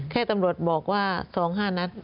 แค่ตำรวจบอกว่า๒๕นัด